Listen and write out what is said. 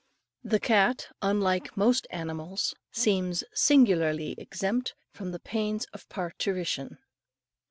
The cat, unlike most animals, seems singularly exempt from the pains of parturition.